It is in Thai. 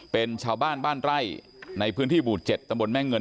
เป็นชาวบ้านบ้านไร่ในพื้นที่หมู่๗ตำบลแม่เงิน